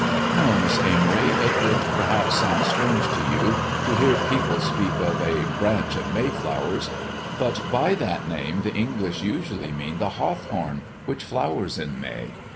"No, Miss Amory. It would perhaps sound strange to you to hear people speak of a 'branch of mayflowers,' but by that name the English usually mean the hawthorn, which flowers in May.